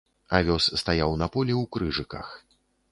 Авёс стаяў на полі ў крыжыках.